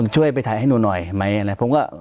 ช่วยไปถ่ายให้หนูหน่อยผมก็